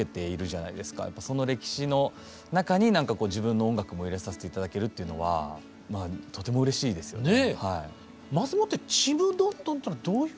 その歴史の中に何かこう自分の音楽も入れさせて頂けるっていうのはとてもうれしいですよね。